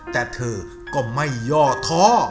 แต่เธอก็ไม่ย่อท้อ